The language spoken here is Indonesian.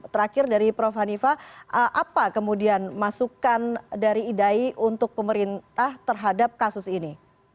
terakhir dari prof hanifah apa kemudian masukan dari idai untuk pemerintah terhadap kasus ini